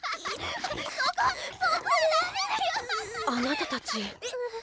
あなたたち。